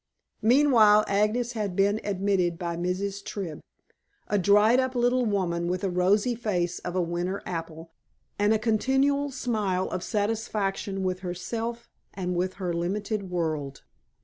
Meanwhile, Agnes had been admitted by Mrs. Tribb, a dried up little woman with the rosy face of a winter apple, and a continual smile of satisfaction with herself and with her limited world.